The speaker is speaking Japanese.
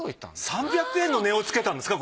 ３００円の値をつけたんですか？